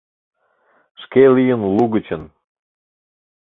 Шке лийын лу гычын.